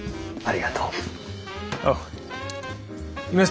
ありがとう。